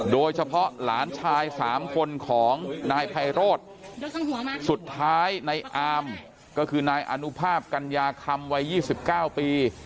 โดยเฉพาะหลานชาย๓คนของนายไพโรธสุดท้ายในอามก็คือนายอนุภาพกัญญาคำวัย๒๙ปี